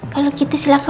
kalau gitu silahkan